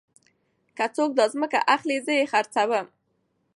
که څوک داځمکه اخلي زه يې خرڅوم.